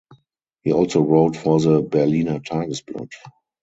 He also wrote for the "Berliner Tageblatt".